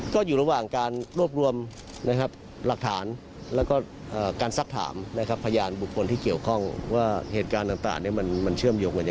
ก็อยู่ระหว่างการรวบรวมหลักฐานแล้วก็การซักถามพยานบุคคลที่เกี่ยวข้องว่าเหตุการณ์ต่างมันเชื่อมโยงกัน